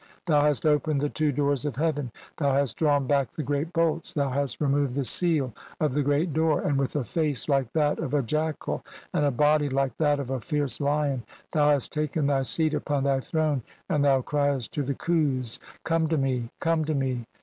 Thou hast opened the two doors of hea "ven, thou hast drawn back the great bolts, thou hast "removed the seal of the great door, and, with a face "like that of a jackal and a body like that of a fierce "lion, thou hast taken thy seat upon thy throne, and "thou criest to the Khus, 'Come to me. Come to me.